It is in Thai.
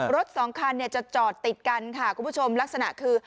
รถสองคันเนี่ยจะจอดติดกันค่ะคุณผู้ชมลักษณะคือ